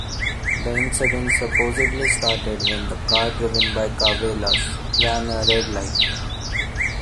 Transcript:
The incident supposedly started when the car driven by Karvelas ran a red light.